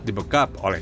dikawal dengan kakak